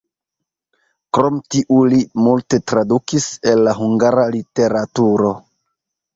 Krom tiu li multe tradukis el la hungara literaturo.